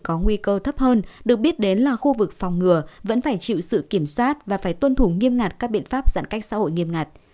có nguy cơ thấp hơn được biết đến là khu vực phòng ngừa vẫn phải chịu sự kiểm soát và phải tuân thủ nghiêm ngặt các biện pháp giãn cách xã hội nghiêm ngặt